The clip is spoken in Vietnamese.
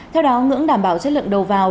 theo đó ngưỡng đảm bảo chất lượng đầu vào